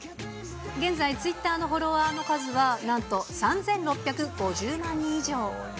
現在、ツイッターのフォロワーの数はなんと３６５０万人以上。